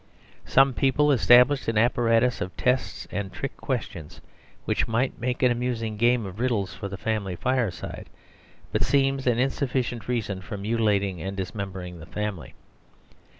Some people established an apparatus of tests and trick questions; which might make an amusing game of riddles for the family fireside, but seems an insufficient reason for mutilating and dismembering the family.